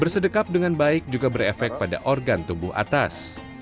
bersedekap dengan baik juga berefek pada organ tubuh atas